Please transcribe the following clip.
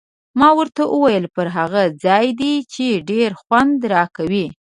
ما ورته وویل: پر هغه ځای دې، چې ډېر خوند راکوي.